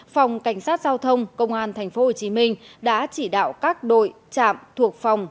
phòng cảnh sát giao thông công an tp hcm đã chỉ đạo các đội trạm thuộc phòng